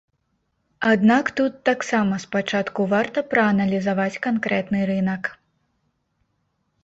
Аднак тут таксама спачатку варта прааналізаваць канкрэтны рынак.